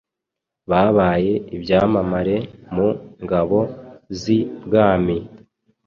babaye ibyamamare mu ngabo z’i bwami